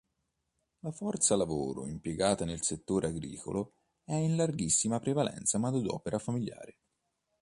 La forza lavoro impiegata nel settore agricolo è in larghissima prevalenza manodopera familiare.